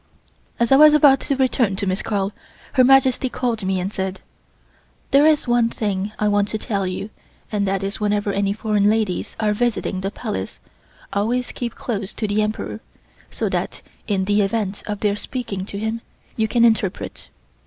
As I was about to return to Miss Carl, Her Majesty called me and said: "There is one thing I want to tell you and that is whenever any foreign ladies are visiting the Palace, always keep close to the Emperor so that in the event of their speaking to him you can interpret."